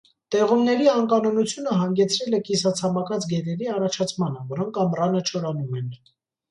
Տեղումների անկանոնությունը հանգեցրել է կիսացամաքած գետերի առաջացմանը, որոնք ամռանը չորանում են։